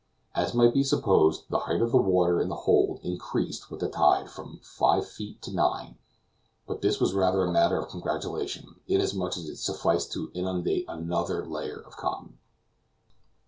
As might be supposed, the height of the water in the hold increased with the tide from five feet to nine; but this was rather a matter of congratulation, inasmuch as it sufficed to inundate another layer of cotton.